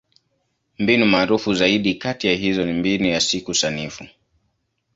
Mbinu maarufu zaidi kati ya hizo ni Mbinu ya Siku Sanifu.